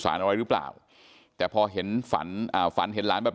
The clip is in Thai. แม่น้องชมพู่แม่น้องชมพู่แม่น้องชมพู่